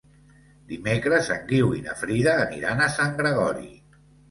Dimecres en Guiu i na Frida aniran a Sant Gregori.